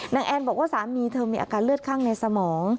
แอนบอกว่าสามีเธอมีอาการเลือดข้างในสมอง